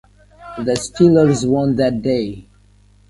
The Steelers won that day.